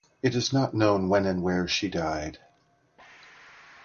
It is not known when and where she died.